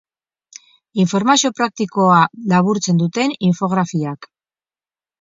Informazio praktikoa laburtzen duten infografiak.